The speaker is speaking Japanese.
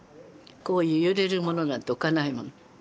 こういう揺れるものなんて置かないもん。